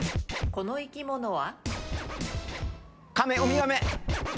この生き物は？